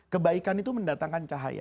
kebaikan itu mendatangkan cahaya